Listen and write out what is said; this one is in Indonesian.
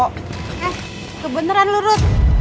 eh kebeneran lu rud